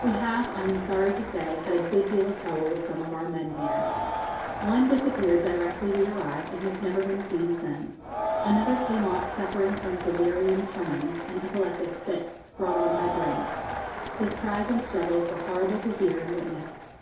We have, I am sorry to say, had a good deal of trouble with some of our men here. One disappeared directly we arrived, and has never been seen since. Another came off suffering from delirium tremens and epileptic fits, brought on by drink. His cries and struggles were horrible to hear and witness.